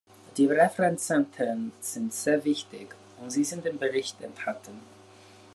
Die Referenzzentren sind sehr wichtig, und sie sind im Bericht enthalten.